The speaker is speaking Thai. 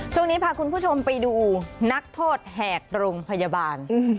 ช่วงนี้พาคุณผู้ชมไปดูนักโทษแหกโรงพยาบาล